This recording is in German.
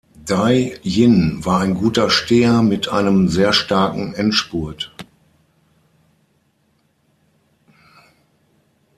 Dai Jin war ein guter Steher mit einem sehr starken Endspurt.